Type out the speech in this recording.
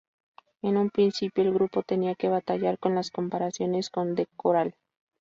En un principio el grupo tenía que batallar con las comparaciones con The Coral.